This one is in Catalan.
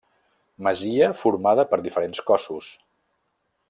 Masia formada per diferents cossos.